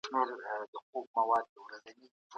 پانګه باید په ګټورو ځایونو کي ولګول سي.